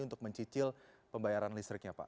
untuk mencicil pembayaran listriknya pak